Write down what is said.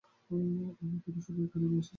তিনি শুধু একা নেমে এসেছেন।